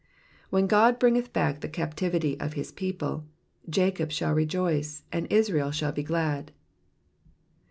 ^^When Qod hringeth bach the captivity of his people^ Jacob shall rejoice^ and Israel shall be glad.'